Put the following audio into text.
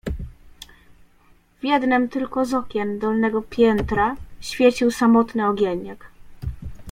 "W jednem tylko z okien dolnego piętra świecił samotny ogieniek."